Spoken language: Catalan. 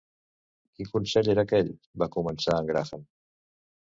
"Quin Consell era aquell?" va començar en Graham.